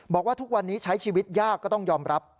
บอกว่าทุกวันนี้ใช้ชีวิตยากก็ต้องยอมรับ